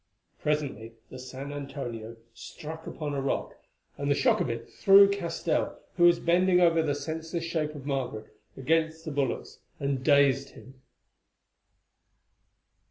Presently the San Antonio struck upon a rock, and the shock of it threw Castell, who was bending over the senseless shape of Margaret, against the bulwarks and dazed him.